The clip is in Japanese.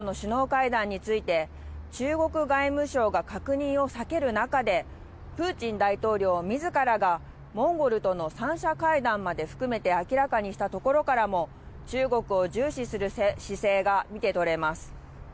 今月半ばの習近平国家主席との首脳会談について、中国外務省が確認を避ける中で、プーチン大統領みずからが、モンゴルとの３者会談まで含めて明らかにしたところからも、中国を重視する姿勢が見て取れます。